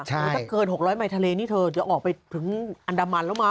ถ้าเกิน๖๐๐ไมค์ทะเลนี่เธอเดี๋ยวออกไปถึงอันดามันแล้วมั้ง